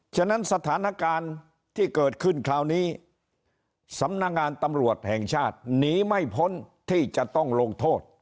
ฉะนั้นสถานการณ์ที่เกิดขึ้นคราวนี้สำนักงานตำรวจแห่งชาติหนีไม่พ้นที่จะต้องลงโทษ